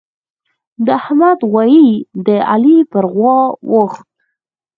د احمد غويی د علي پر غوا وخوت.